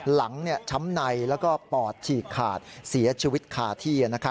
หลังช้ำในแล้วก็ปอดฉีกขาดเสียชีวิตคาที่